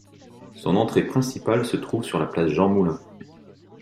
Son entrée principale se trouve sur la place Jean-Moulin.